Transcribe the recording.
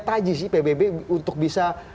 taji sih pbb untuk bisa